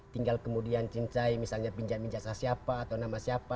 tinggal kemudian cintai misalnya pinjam ijazah siapa atau nama siapa